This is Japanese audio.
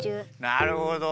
なるほど。